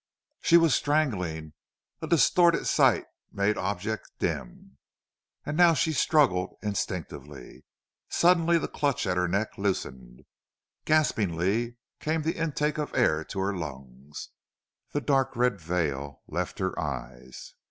She was strangling; a distorted sight made objects dim; and now she struggled instinctively. Suddenly the clutch at her neck loosened; gaspingly came the intake of air to her lungs; the dark red veil left her eyes.